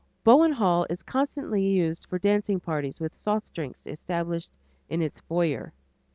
Bowen Hall is constantly used for dancing parties with soft drinks established in its foyer.